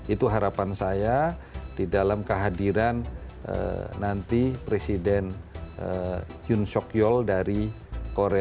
itu harapan saya di dalam kehadiran nanti presiden yun sok yol dari korea